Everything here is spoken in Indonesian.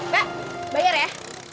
pak bayar ya